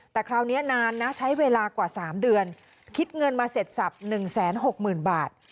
แต่คราวนี้นานนะใช้เวลากว่า๓เดือนคิดเงินมาเสร็จสับ๑๖๐๐๐บาท